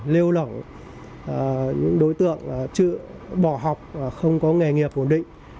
lêu lỏng những đối tượng bỏ học không có nghề nghiệp ổn định